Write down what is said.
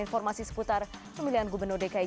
informasi seputar pemilihan gubernur dki